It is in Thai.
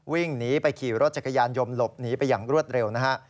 วิ่งหนีไปขี่รถจักรยานยนต์หลบหนีไปอย่างรวดเร็วนะฮะ